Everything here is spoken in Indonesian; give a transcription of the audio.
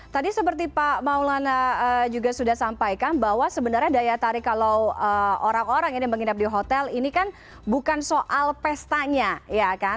tadi seperti pak maulana juga sudah sampaikan bahwa sebenarnya daya tarik kalau orang orang ini menginap di hotel ini kan bukan soal pestanya ya kan